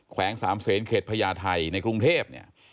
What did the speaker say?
แขวงสามเซียนเข็ดพญาไทยในกรุงเทพฯ